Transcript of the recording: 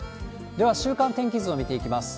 では、週間天気図を見ていきます。